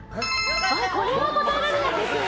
これは答えられなきゃですよね。